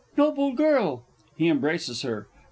Noble girl! [_He embraces her.